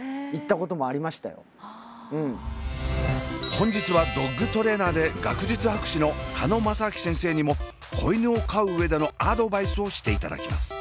本日はドッグトレーナーで学術博士の鹿野正顕先生にも子犬を飼う上でのアドバイスをしていただきます。